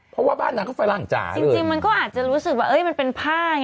เพราะว่าบ้านนางก็ฝรั่งจากจริงมันก็อาจจะรู้สึกว่ามันเป็นผ้าไง